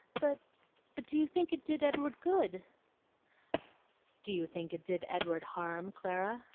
'But but do you think it did Edward good?' 'Do you think it did Edward harm, Clara?